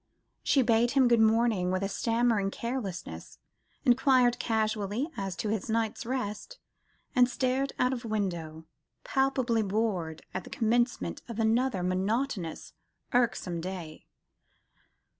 She bade him good morning with a stammering carelessness, enquired casually as to his night's rest, and stared out of window, palpably bored at the commencement of another monotonous, irksome day.